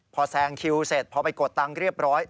พอแซงคิวเสร็จพอไปกดตังค์เรียบร้อย